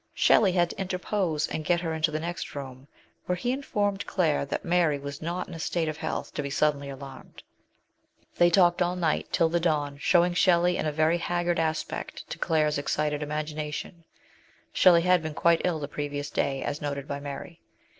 Shelley had to interpose and get her into the next room, where he informed Claire that Mary was not in a state of health to be suddenly alarmed. They talked all night, till the dawn, show ing Shelley in a very haggard aspect to Claire's excited imagination (Shelley had been quite ill the previous day, as noted by Mary).